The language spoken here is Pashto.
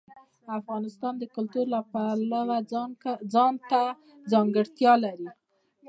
افغانستان د کلتور د پلوه ځانته ځانګړتیا لري.